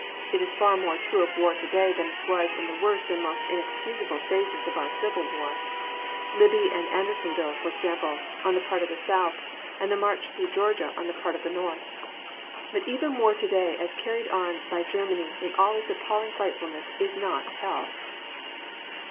It is far more true of war to day than it was in the worst and most inexcusable phases of our Civil War—Libby and Andersonville, for example, on the part of the South, and the march through Georgia on the part of the North. But even war to day as carried on by Germany in all its appalling frightfulness, is not hell.